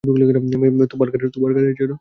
তোমার গানের জন্য।